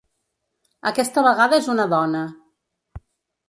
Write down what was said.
Aquesta vegada és una dona.